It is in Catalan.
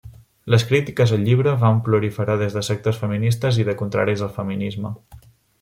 Les crítiques al llibre van proliferar des de sectors feministes i de contraris al feminisme.